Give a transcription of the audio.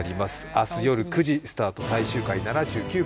明日夜９時スタート最終回７９分